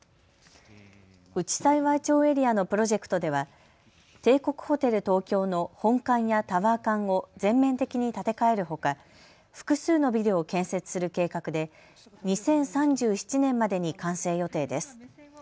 内幸町エリアのプロジェクトでは帝国ホテル東京の本館やタワー館を全面的に建て替えるほか複数のビルを建設する計画で２０３７年までに完成予定です。